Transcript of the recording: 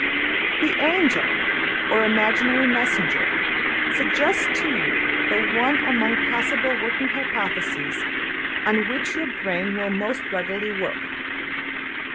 The angel (or imaginary messenger) suggests to you the one among possible working hypotheses on which your brain will most readily work.